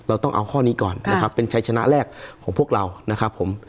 เราต้องเอาข้อนี้ก่อนนะครับเป็นชัยชนะแรกของพวกเรานะครับผม